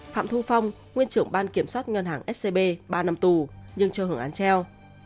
phạm thu phong nguyên trưởng ban kiểm soát ngân hàng scb ba năm tù nhưng cho hưởng án treo